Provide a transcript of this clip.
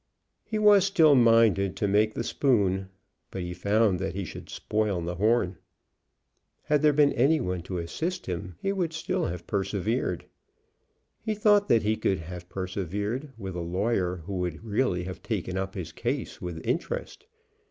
He was still minded to make the spoon; but he found that he should spoil the horn. Had there been any one to assist him he would still have persevered. He thought that he could have persevered with a lawyer who would really have taken up his case with interest.